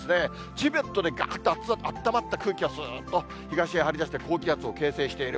チベットでがっとあったまった空気がずっと東へ張り出して、高気圧を形成している。